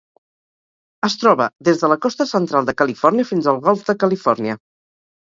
Es troba des de la costa central de Califòrnia fins al Golf de Califòrnia.